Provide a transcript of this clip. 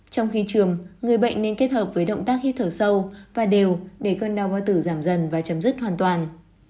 trong khi trường người bệnh nên kết hợp với động tác hít thở sâu và đều để cơn đau hoa tử giảm dần và chấm dứt hoàn toàn